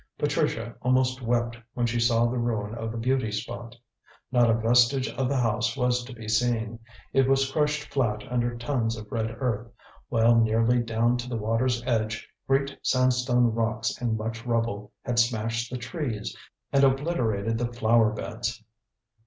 Patricia almost wept when she saw the ruin of the beauty spot. Not a vestige of the house was to be seen: it was crushed flat under tons of red earth, while nearly down to the water's edge great sandstone rocks and much rubble had smashed the trees and obliterated the flower beds.